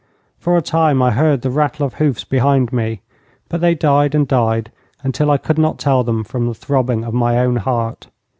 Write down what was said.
For a time I heard the rattle of hoofs behind me, but they died and died until I could not tell them from the throbbing of my own heart.